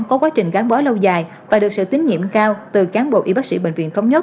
có quá trình gắn bó lâu dài và được sự tín nhiệm cao từ cán bộ y bác sĩ bệnh viện thống nhất